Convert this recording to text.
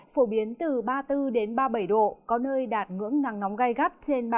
phổ biến từ ba mươi bốn ba mươi bảy độ có nơi đạt ngưỡng nắng nóng gai gắt trên ba mươi ba độ